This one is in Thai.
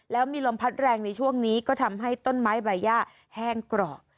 แล้วมีลมพัดแรงในช่วงนี้ก็ทำให้ต้นไม้ใบย่าแห้งกรอบ